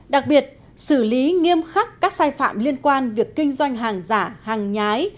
đặc biệt xử lý nghiêm khắc các sai phạm liên quan việc kinh doanh hàng giả hàng nhái